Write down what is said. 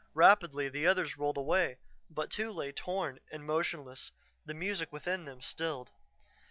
Rapidly the others rolled away, but two lay torn and motionless, the music within them stilled.